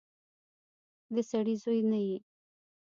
د سړي زوی نه يې.